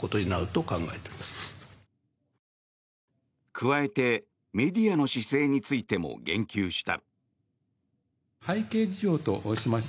加えてメディアの姿勢についても言及した。